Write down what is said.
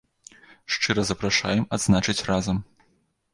Шчыра запрашаем адзначыць разам.